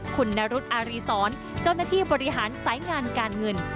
คุณนรุษอารีสรเจ้าหน้าที่บริหารสายงานการเงิน